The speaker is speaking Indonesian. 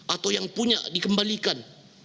atau yang punya dikembalikan